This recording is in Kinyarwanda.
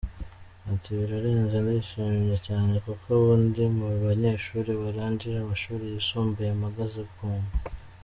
Ati “Birarenze, ndishimye cyane kuko ubu ndi mu banyeshuri barangije amashuri yisumbuye mpagaze bwuma.